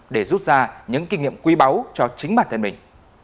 để rút ra những kinh nghiệm quý báu cho chính bản thân mình